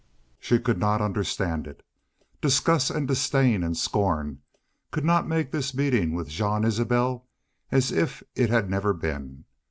She could not understand it. Disgust and disdain and scorn could not make this meeting with Jean Isbel as if it had never been.